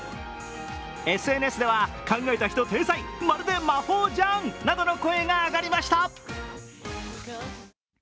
ＳＮＳでは考えた人、天才、まるで魔法じゃんなどの声が上がりました。